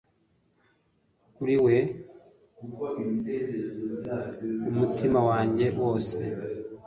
Kuri wewe umutima wanjye wose